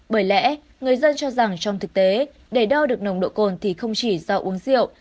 bởi lẽ người dân cho rằng trong thực tế để đo được nồng độ cồn thì không chỉ do uống rượu